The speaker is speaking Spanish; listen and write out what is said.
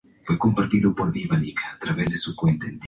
Está conformado por armas y símbolos.